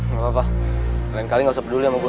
gak apa apa lain kali gak usah peduli sama gue